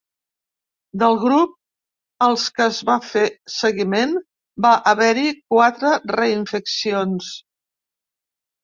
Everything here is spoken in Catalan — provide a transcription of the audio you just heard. Del grup als que es va fer seguiment va haver-hi quatre reinfeccions.